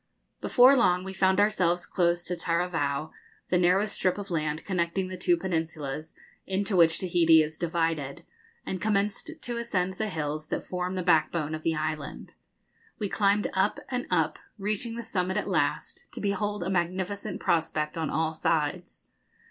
Before long we found ourselves close to Taravao, the narrow strip of land connecting the two peninsulas into which Tahiti is divided, and commenced to ascend the hills that form the backbone of the island. We climbed up and up, reaching the summit at last, to behold a magnificent prospect on all sides.